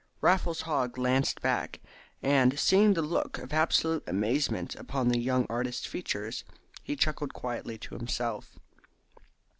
Raffles Haw glanced back, and seeing the look of absolute amazement upon the young artist's features, he chuckled quietly to himself.